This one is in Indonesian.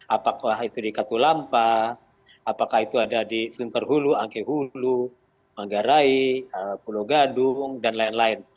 apakah itu di katulampa apakah itu ada di suntar hulu angke hulu manggarai pulau gadung dan lain lain